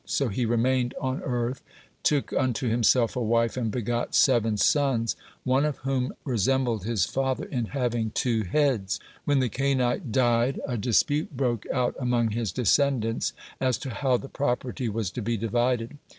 So he remained on earth, took unto himself a wife, and begot seven sons, one of whom resembled his father in having two heads. When the Cainite died, a dispute broke out among his descendants as to how the property was to be divided.